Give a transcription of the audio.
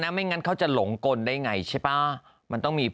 ไม่งั้นเขาจะหลงกลได้ไง